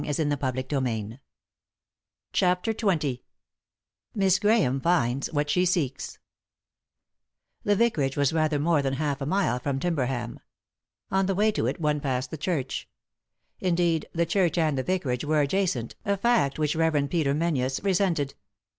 3i 9 iii^d by Google CHAPTER XX HISS GSAHAHE FINDS WHAT SHE SEEKS The vicarage was rather more than half a mile from Timberham. On the way to it one passed the church. Indeed, the church and the vicarage were adjacent, a fact which the Rev. Peter Menzies resented.